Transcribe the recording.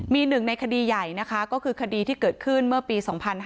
มีหนึ่งในคดีใหญ่นะคะก็คือคดีที่เกิดขึ้นเมื่อปี๒๕๕๙